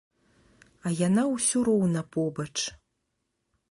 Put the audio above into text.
А яна ўсё роўна побач.